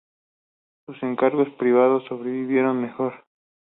Sus encargos privados sobrevivieron mejor.